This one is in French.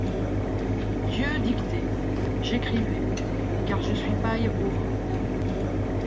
Dieu dictait, j’écrivais ; Car je suis paille au vent.